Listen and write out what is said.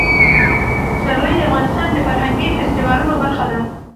پسرلی د افغانستان د فرهنګي فستیوالونو برخه ده.